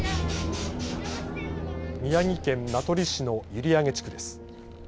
宮城県名取市の閖上地区です。